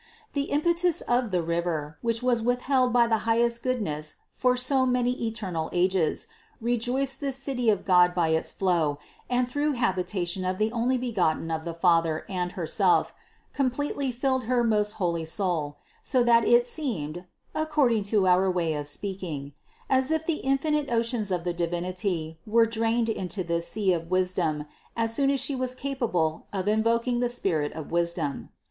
The impetus of the river, which was withheld by the highest Goodness for so many eternal ages, rejoiced this City of God by its flow, and through inhabitation of the Onlybegotten of the Father and Her self, completely filled her most holy soul; so that it seemed, (according to our way of speaking), as if the infinite oceans of the Divinity were drained into this sea of wisdom as soon as She was capable of invoking the Spirit of wisdom.